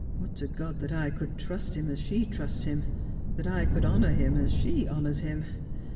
' Would to God that I could trust him as she trusts him — that I could honour him as she honours him.